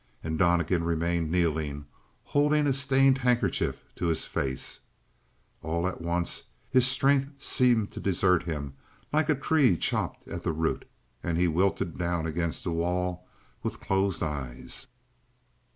And Donnegan remained kneeling, holding a stained handkerchief to his face. All at once his strength seemed to desert him like a tree chopped at the root, and he wilted down against the wall with closed eyes.